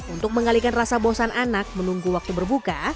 untuk mengalihkan rasa bosan anak menunggu waktu berbuka